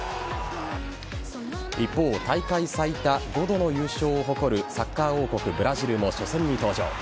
一方、大会最多５度の優勝を誇るサッカー王国・ブラジルも初戦に登場。